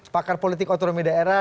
pakar politik otoromi daerah